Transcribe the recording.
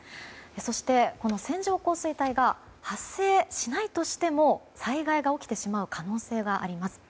そして、この線状降水帯が発生しないとしても災害が起きてしまう可能性があります。